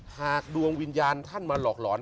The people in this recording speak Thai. ดวงวิญญาณท่านมาหลอกหลอน